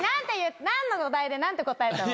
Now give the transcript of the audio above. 何のお題で何て答えたの？